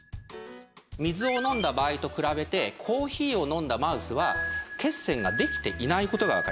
水を飲んだ場合と比べてコーヒーを飲んだマウスは血栓ができていない事がわかります。